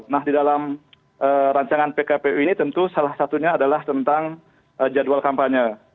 nah di dalam rancangan pkpu ini tentu salah satunya adalah tentang jadwal kampanye